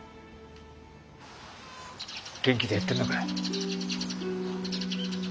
元気でやってんのかい？